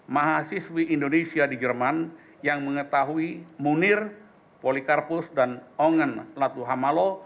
mahasiswi indonesia di jerman yang mengetahui munir polikarpus dan ongen latuhamalo